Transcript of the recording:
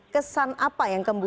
kesan apa yang kembali